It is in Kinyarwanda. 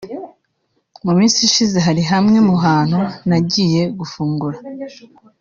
« Mu minsi ishize hari hamwe mu hantu nagiye gufungura